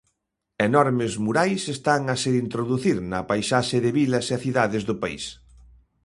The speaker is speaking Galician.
Enormes murais están a se introducir na paisaxe de vilas e cidades do país.